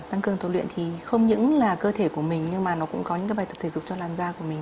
tăng cường tàu luyện thì không những là cơ thể của mình nhưng mà nó cũng có những bài tập thể dục cho làn da của mình